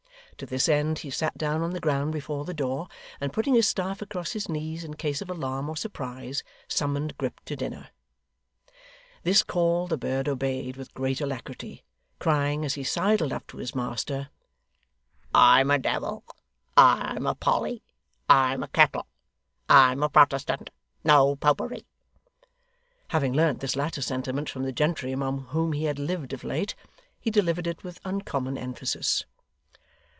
To this end, he sat down on the ground before the door, and putting his staff across his knees in case of alarm or surprise, summoned Grip to dinner. This call, the bird obeyed with great alacrity; crying, as he sidled up to his master, 'I'm a devil, I'm a Polly, I'm a kettle, I'm a Protestant, No Popery!' Having learnt this latter sentiment from the gentry among whom he had lived of late, he delivered it with uncommon emphasis.